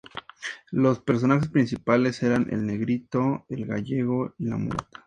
Los personajes principales eran el negrito, el gallego y la mulata.